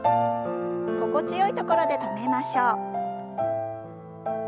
心地よいところで止めましょう。